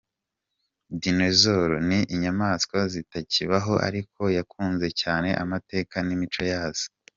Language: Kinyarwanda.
D: Dinozor ni inyamaswa zitakibaho ariko yakunze cyane amateka n’imico yazo.